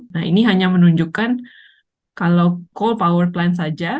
nah ini hanya menunjukkan kalau call power plan saja